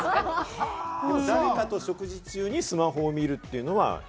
誰かと食事中にスマホを見るっていうのは。